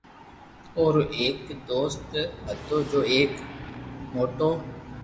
اورو ايڪ دوست ھتو جو ايڪ موٽو